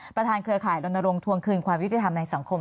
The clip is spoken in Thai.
เครือข่ายรณรงควงคืนความยุติธรรมในสังคม